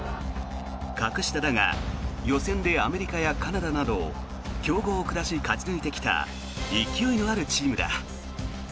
格下だが、予選でアメリカやカナダなど強豪を下し勝ち抜いてきた勢いのあるチームだ。